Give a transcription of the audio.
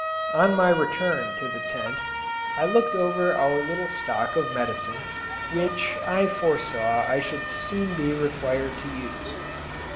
On my return to the tent I looked over our little stock of medicine, which I foresaw I should soon be required to use.